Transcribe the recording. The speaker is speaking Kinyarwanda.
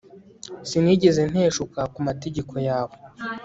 sinigeze nteshuka ku mategeko yawe